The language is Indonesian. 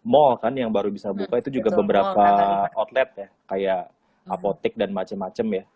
ya bulan mul kan yang baru bisa buka itu juga beberapa outlet ya kayak apotik dan macem macem ya